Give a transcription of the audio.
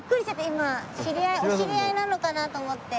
今お知り合いなのかな？と思って。